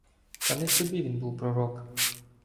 Та не собі він був пророк.